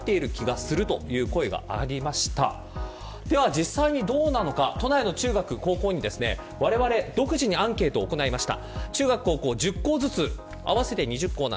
実際にどうなのか都内の中学高校にわれわれ独自にアンケートを行いました。